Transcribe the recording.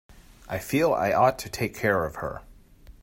I feel I ought to take care of her.